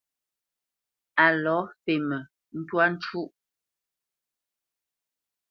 A lɔ fémə ntwá ncú.